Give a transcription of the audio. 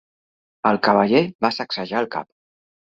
El cavaller va sacsejar el cap.